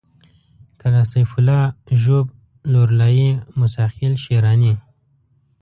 قلعه سيف الله ژوب لورلايي موسی خېل شېراني